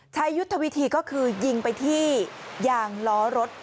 ยุทธวิธีก็คือยิงไปที่ยางล้อรถ